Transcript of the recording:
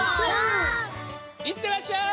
いってらっしゃい！